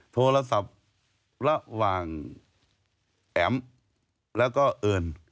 โทรศัพท์ระหว่างแอ๋มแล้วก็เอิญ